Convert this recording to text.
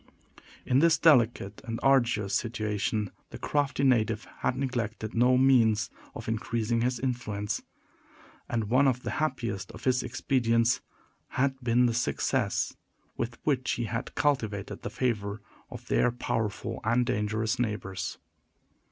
In this delicate and arduous situation, the crafty native had neglected no means of increasing his influence; and one of the happiest of his expedients had been the success with which he had cultivated the favor of their powerful and dangerous neighbors.